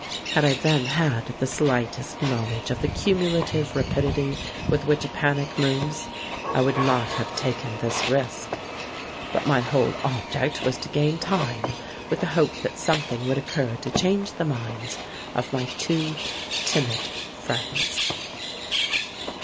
Had I then had the slightest knowledge of the cumulative rapidity with which a panic moves I would not have taken this risk. But my whole object was to gain time, with the hope that something would occur to change the minds of my two timid friends.